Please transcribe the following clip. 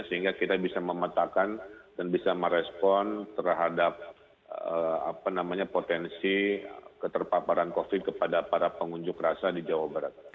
sehingga kita bisa memetakan dan bisa merespon terhadap potensi keterpaparan covid sembilan belas kepada para pengunjuk rasa di jawa barat